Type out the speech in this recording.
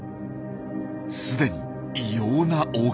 既に異様な大きさ。